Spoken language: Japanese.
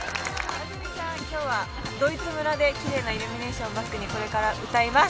今日はドイツ村できれいなイルミネーションをバックにこれから歌います。